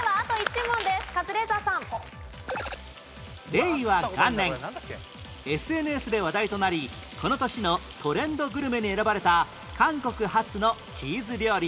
令和元年 ＳＮＳ で話題となりこの年のトレンドグルメに選ばれた韓国発のチーズ料理